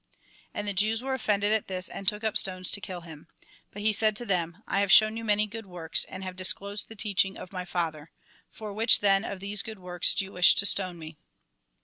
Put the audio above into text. And the Jews were offended at this, and took up stones to kill him. But he said to them :" I have shown you many good works, and have disclosed the teaching of my Father. For which, then, of these good works do you wish to stone me